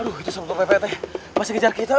aduh itu seru untuk ppt masih kejar kita